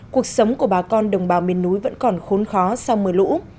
cuộc sống của bà con đồng bào miền núi vẫn còn khốn khó sau mưa lũ